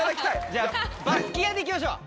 じゃあバスキアで行きましょう！